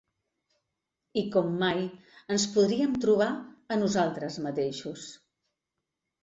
I com mai ens podríem trobar a nosaltres mateixos.